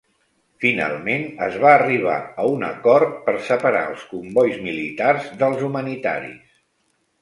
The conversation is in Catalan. Finalment, es va arribar a un acord per separar els combois militars dels humanitaris.